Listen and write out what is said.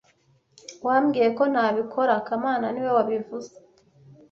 Wambwiye ko ntabikora kamana niwe wabivuze